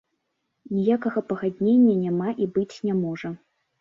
Ніякага пагаднення няма і быць не можа.